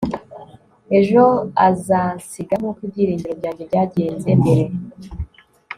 ejo azansiga, nk'uko ibyiringiro byanjye byagenze mbere